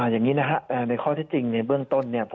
อย่างนี้นะครับในข้อที่จริงในเบื้องต้นเนี่ย